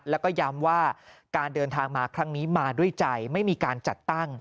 แล้วก็ย้ำว่าการเดินทางมาครั้งนี้มาด้วยใจไม่มีการจัดตั้ง